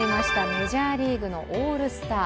メジャーリーグのオールスター。